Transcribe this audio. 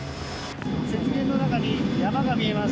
雪原の中に山が見えます。